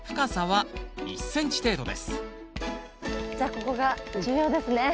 じゃあここが重要ですね。